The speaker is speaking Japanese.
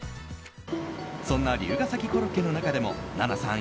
そんな龍ケ崎コロッケの中でも奈々さん